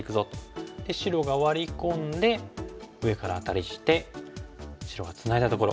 白がワリ込んで上からアタリして白がつないだところ。